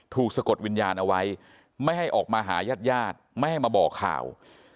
สะกดวิญญาณเอาไว้ไม่ให้ออกมาหายาดไม่ให้มาบอกข่าว